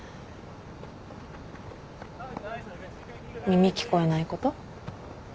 耳聞こえないこと。